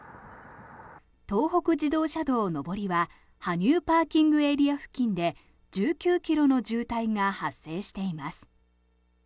東北自動車道上りは羽生ＰＡ付近で１９ｋｍの渋滞が発生しています。